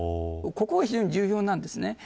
ここが非常に重要なんですね。